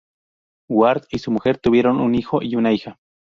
Ward y su mujer tuvieron un hijo y una hija.